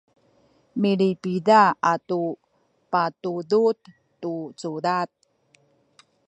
milipida atu patudud tu cudad